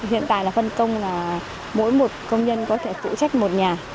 hiện tại là phân công là mỗi một công nhân có thể phụ trách một nhà